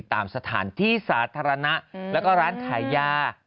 ตามสถานที่สาธารณะแล้วก็ร้านขายยา